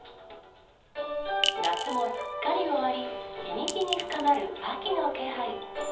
夏もすっかり終わり、日に日に深まる秋の気配。